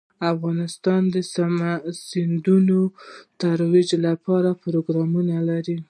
افغانستان د سیندونه د ترویج لپاره پروګرامونه لري.